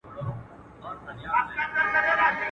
دښمن که دي د لوخو پړی هم وي، مار ئې بوله.